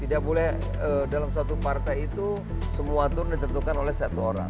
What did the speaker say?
tidak boleh dalam suatu partai itu semua aturan ditentukan oleh satu orang